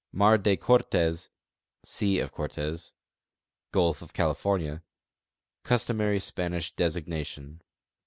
Mar de Cortez (Sea of Cortez = Gulf of California) : Customary Spanish designation.